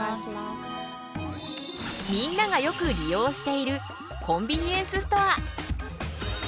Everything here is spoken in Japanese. みんながよく利用しているコンビニエンスストア。